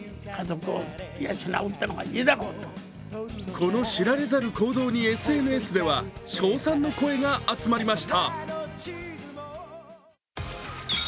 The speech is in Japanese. この知られざる行動にＳＮＳでは称賛の声が集まりました。